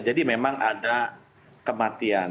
jadi memang ada kematian